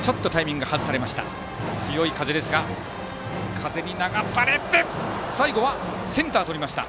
風に流されましたが最後はセンターがとりました。